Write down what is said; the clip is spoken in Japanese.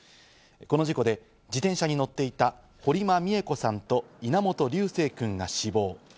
この事故で自転車に乗っていた堀間美恵子さんと稲本琉正くんが死亡。